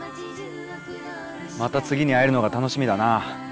また次に会えるのが楽しみだな。